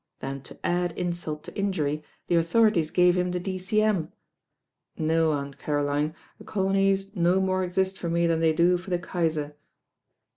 Then to add insult to injury the authorities gave him the D.C.M. No, Aunt Caroline, the colonies no more exist for me than they do for the Kaiser."